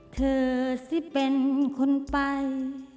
เธอสิเป็นคนไป